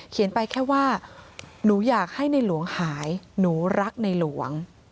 ไปแค่ว่าหนูอยากให้ในหลวงหายหนูรักในหลวง